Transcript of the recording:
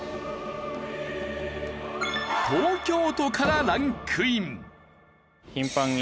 東京都からランクイン。